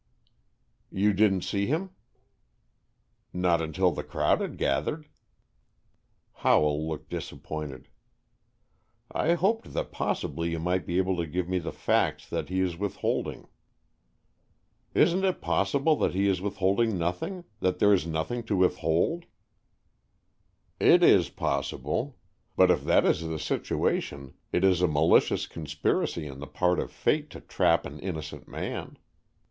"You didn't see him?" "Not until the crowd had gathered." Howell looked disappointed. "I hoped that possibly you might be able to give me the facts that he is withholding." "Isn't it possible that he is withholding nothing, that there is nothing to withhold?" "It is possible, but if that is the situation, it is a malicious conspiracy on the part of fate to trap an innocent man.